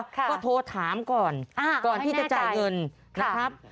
ก็โทรถามก่อนก่อนที่จะจ่ายเงินนะครับ